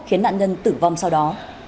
khiến nạn nhân tử vong sau đó